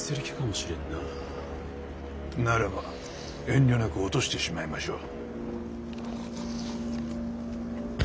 ならば遠慮なく落としてしまいましょう。